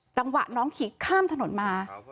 จังหวะน้องขี่ข้ามถนนมา